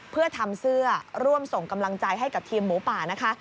เพื่อทำเสื้อร่วมส่งกำลังใจให้กับทีมหมูป่านะคะ